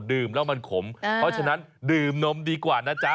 ดื่มแล้วมันขมเพราะฉะนั้นดื่มนมดีกว่านะจ๊ะ